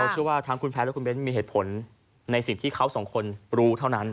เชื่อว่าทั้งคุณแพทย์และคุณเบ้นมีเหตุผลในสิ่งที่เขาสองคนรู้เท่านั้น